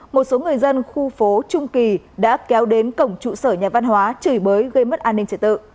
một số người dân khu phố trung kỳ đã kéo đến cổng trụ sở nhà văn hóa chửi bới gây mất an ninh trật tự